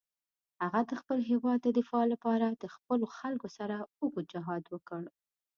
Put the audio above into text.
هغه د خپل هېواد د دفاع لپاره د خپلو خلکو سره اوږد جهاد وکړ.